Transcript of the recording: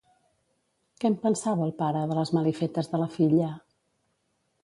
Què en pensava el pare, de les malifetes de la filla?